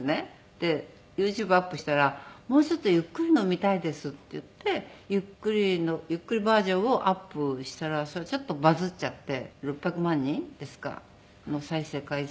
でユーチューブアップしたら「もうちょっとゆっくりの見たいです」っていってゆっくりバージョンをアップしたらそれちょっとバズっちゃって６００万人ですか。の再生回数。